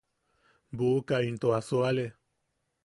Buʼuka into a suale.